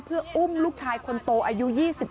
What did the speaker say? เพื่ออุ้มลูกชายคนโตอายุ๒๓